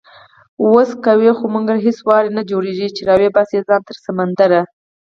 وس کوي خو مګر هیڅ وار یې نه جوړیږي، چې راوباسي ځان تر سمندره